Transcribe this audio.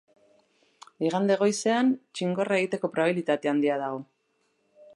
Igande goizean, txingorra egiteko probabilitate handia dago.